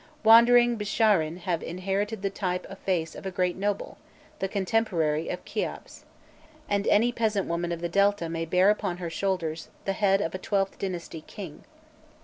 Wandering Bisharîn have inherited the type of face of a great noble, the contemporary of Kheops; and any peasant woman of the Delta may bear upon her shoulders che head of a twelfth dynasty king.